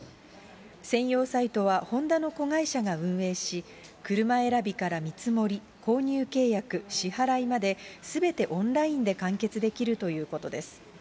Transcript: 専用サイトは、ホンダの子会社が運営し、車選びから見積もり、購入契約、支払いまですべてオンラインで完結できるということです。